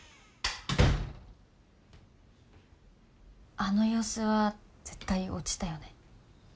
あの様子は絶対落ちたよね。